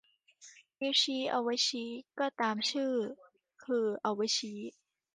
นิ้วชี้ เอาไว้ชี้ ก็ตามชื่อ คือเอาไว้ชี้